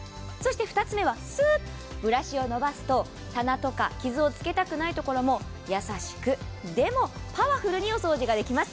２つ目はスッとブラシを伸ばすと、棚とか傷をつけたくないところも優しく、でもパワフルにお掃除できます。